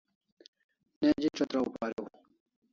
Neji chatraw pariu